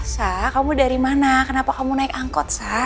sa kamu dari mana kenapa kamu naik angkot sa